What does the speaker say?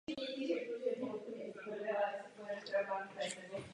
Členské státy chtějí své pravomoci zpátky.